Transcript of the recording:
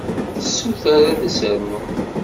Tessuter ad as-rnun.